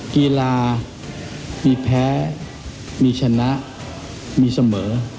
กีฬามีแพ้มีชนะมีเสมอ